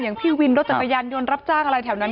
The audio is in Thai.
พี่วินรถจักรยานยนต์รับจ้างอะไรแถวนั้น